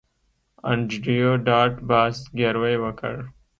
انډریو ډاټ باس زګیروی وکړ